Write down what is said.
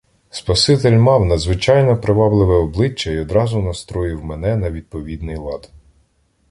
Спаситель мав надзвичайно привабливе обличчя й одразу настроїв мене на відповідний лад.